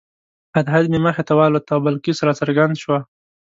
هدهد مې مخې ته والوت او بلقیس راڅرګنده شوه.